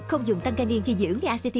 không dùng tăng ganin khi dưỡng